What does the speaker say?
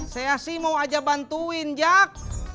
saya sih mau aja bantuin jak